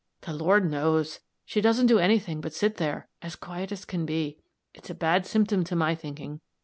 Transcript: "The Lord knows! She doesn't do any thing but sit there, as quiet as can be. It's a bad symptom, to my thinking.